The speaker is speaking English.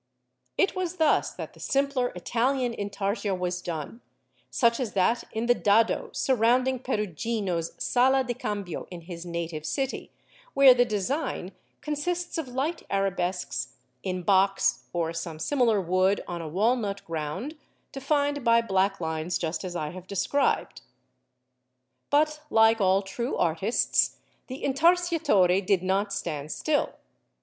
It was thus that the simpler Italian Intarsia was done, such as that in the dado surrounding Perugino's Sala del Cambio in his native city, where the design consists of light arabesques in box or some similar wood on a walnut ground, defined by black lines just as I have described. But like all true artists the Intarsiatore did not stand still.